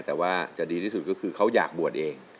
แต่ว่าจะดีที่สุดก็คือเขาอยากบวชเอง